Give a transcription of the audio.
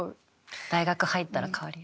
大学入ったら変わるよ。